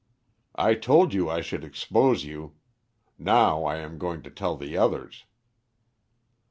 I told you I should expose you. Now I am going to tell the others."